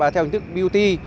theo hình thức beauty